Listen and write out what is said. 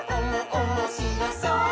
おもしろそう！」